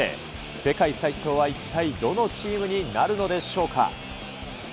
世界最強は一体どのチームになるのでしょうか。